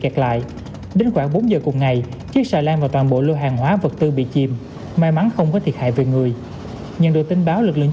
cái số lượng người đó